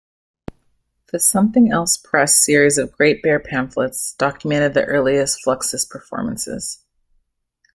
The Something Else Press series of "Great Bear Pamphlets," documented the earliest Fluxus performances.